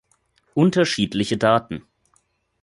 Unterschiedliche Daten.